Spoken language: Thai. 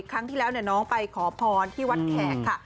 ครั้งที่แล้วน้องไปขอพรที่วัดแขกค่ะ